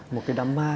một cái đám ma